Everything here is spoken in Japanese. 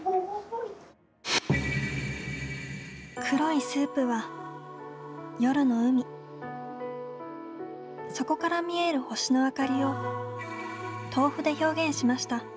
黒いスープは夜の海、そこから見える星の明かりを豆腐で表現しました。